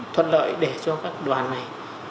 thuận lợi để cho các đoàn này